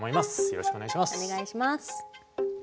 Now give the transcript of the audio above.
よろしくお願いします。